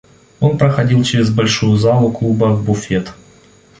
Он проходил чрез большую залу клуба в буфет.